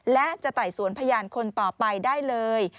และจะไต่สวนพยานคนต่อไปได้เลย